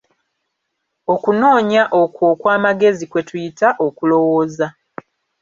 Okunoonya okwo okw'amagezi kwe tuyita okulowooza.